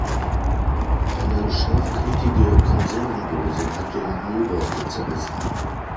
Eine scharfkantige Konservendose hat den Müllbeutel zerrissen.